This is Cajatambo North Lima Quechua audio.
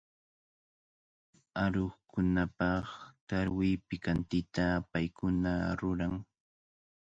Aruqkunapaq tarwi pikantita paykuna ruran.